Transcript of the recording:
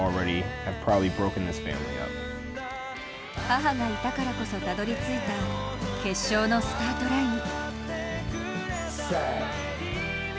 母がいたからこそたどり着いた決勝のスタートライン。